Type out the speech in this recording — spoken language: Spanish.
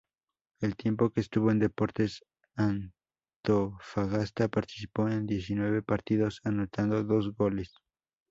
El tiempo que estuvo en Deportes Antofagasta participó en diecinueve partidos, anotando dos goles.